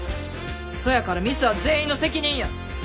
そやからミスは全員の責任や。